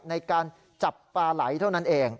ในการจับปลาไหลเท่านั้นเอง